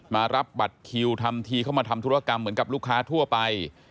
มารับบัตรคิวทำทีเข้ามาทำธุรกรรมเหมือนกับลูกค้าทั่วไป